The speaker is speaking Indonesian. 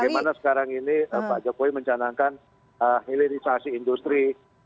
bagaimana sekarang ini pak jokowi mencanangkan hilirisasi industri